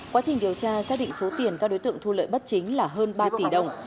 quá trình điều tra xác định số tiền các đối tượng thu lợi bất chính là hơn ba tỷ đồng